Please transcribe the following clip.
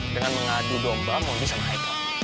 dengan mengadu domba mau bisa naik